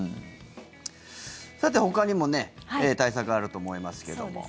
さて、ほかにも対策はあると思いますけども。